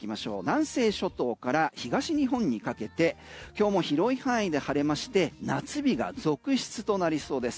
南西諸島から東日本にかけて今日も広い範囲で晴れまして夏日が続出となりそうです。